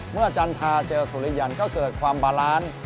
เมื่อจันทราเจอสุริยันก็เกิดความบาลานซ์